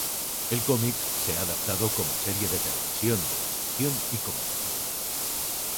El cómic se ha adaptado como serie de televisión, de animación y como película.